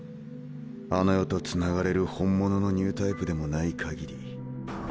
あの世とつながれる本物のニュータイプでもないかぎり。